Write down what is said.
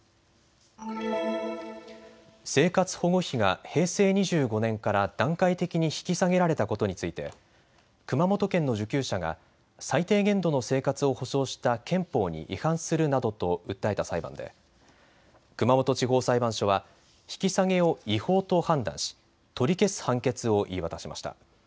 生活保護費が平成２５年から段階的に引き下げられたことについて熊本県の受給者が最低限度の生活を保障した憲法に違反するなどと訴えた裁判で熊本地方裁判所は引き下げを違法と判断し取り消す判決を言い渡しました。